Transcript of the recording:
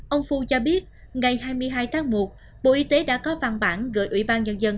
ông phu cho biết ngày hai mươi hai tháng một bộ y tế đã có văn bản gửi ủy ban nhân dân